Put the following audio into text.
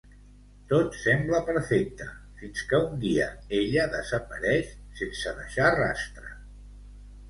Tot sembla perfecte fins que un dia ella desapareix sense deixar rastre.